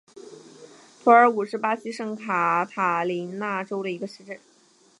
图尔武是巴西圣卡塔琳娜州的一个市镇。